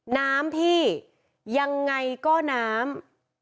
น้ำพี่ยังไงก็น้ำ